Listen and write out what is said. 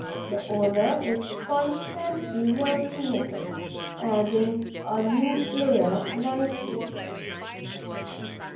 The owner is constantly working at it; she adds a new layer nightly.